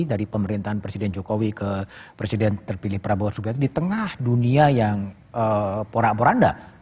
dari pemerintahan presiden jokowi ke presiden terpilih prabowo subianto di tengah dunia yang porak poranda